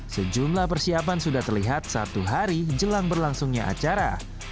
sejumlah persiapan sudah terlihat satu hari jelang berlangsungnya acara